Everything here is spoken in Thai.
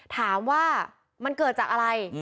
ถามว่ามันเกิดจากอะไร